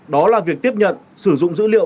đó là việc tiếp nhận sử dụng dữ liệu